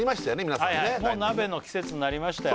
皆さんねもう鍋の季節になりましたよ